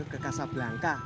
ke kasab langka